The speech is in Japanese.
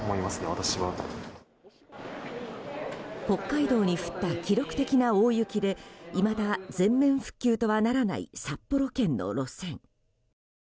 北海道に降った記録的な大雪でいまだ全面復旧とはならない札幌圏の路線。